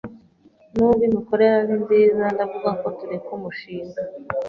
Nubwo imikorere ari nziza, ndavuga ko tureka umushinga.